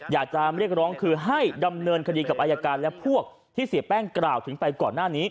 อยากจะเรียกร้องคือให้ดำเนินคดีกับอายการและพวกที่เสียแป้งกล่าวถึงไปก่อนหน้านี้